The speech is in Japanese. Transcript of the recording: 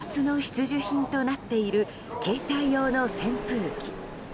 今や夏の必需品となっている携帯用の扇風機。